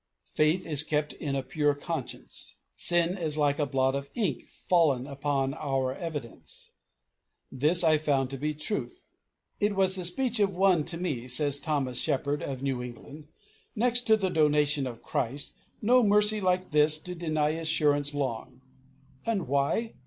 Faith is kept in a pure conscience. Sin is like a blot of ink fallen upon our evidence. This I found to be a truth." "It was the speech of one to me," says Thomas Shepard of New England, "next to the donation of Christ, no mercy like this, to deny assurance long; and why?